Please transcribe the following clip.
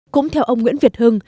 cũng theo ông nguyễn việt hưng